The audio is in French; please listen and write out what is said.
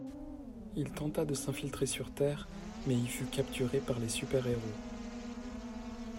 Il tenta de s'infiltrer sur Terre, mais y fut capturé par les super-héros.